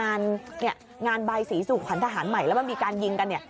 ไอ้งานใบสีสุขวัญทหารใหม่แล้วมันมีการยิงกัน